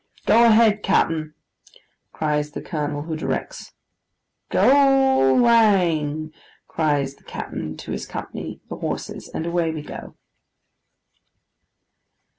'Go a head, cap'en,' cries the colonel, who directs. 'Gŏ lāng!' cries the cap'en to his company, the horses, and away we go.